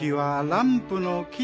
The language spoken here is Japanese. ランプの木？